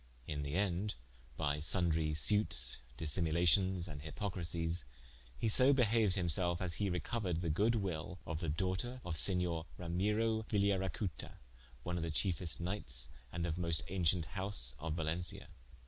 In the ende by sundrie sutes, dissimulations, and hipocrisies, he so behaued him self, as he recouered the good wil of the doughter of Senior Ramyrio Vigliaracuta, one of the chiefest knightes, and of moste auncient house of Valentia.